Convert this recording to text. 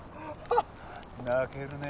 泣けるね。